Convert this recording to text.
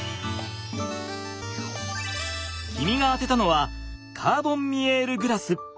君が当てたのはカーボン・ミエール・グラス！